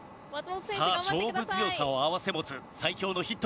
さあ勝負強さを併せ持つ最強のヒットメーカー。